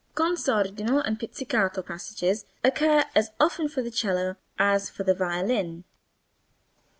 Con sordino and pizzicato passages occur as often for the cello as for the violin.